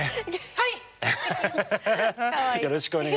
はい！